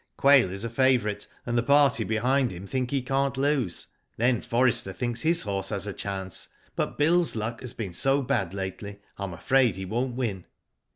" Quail is favourite, and the party behind him think he can't lose. Then Forrester thinks his horse has a chance, but * Bill's ' luck has been so bad lately I am afraid he won't win."